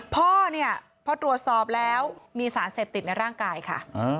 พ่อเนี่ยพอตรวจสอบแล้วมีสารเสพติดในร่างกายค่ะ